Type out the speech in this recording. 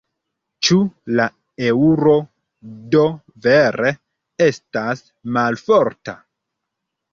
Ĉu la eŭro do vere estas malforta?